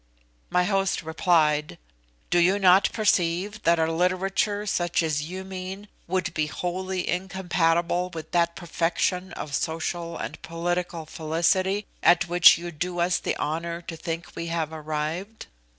My host replied "Do you not perceive that a literature such as you mean would be wholly incompatible with that perfection of social or political felicity at which you do us the honour to think we have arrived?